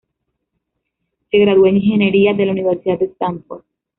Se graduó en ingeniería de la Universidad de Stanford.